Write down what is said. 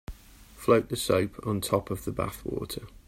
Float the soap on top of the bath water.